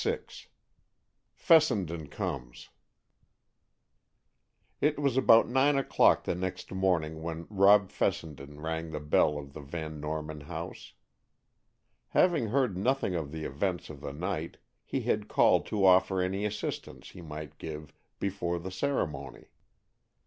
VI FESSENDEN COMES It was about nine o'clock the next morning when Rob Fessenden rang the bell of the Van Norman house. Having heard nothing of the events of the night, he had called to offer any assistance he might give before the ceremony.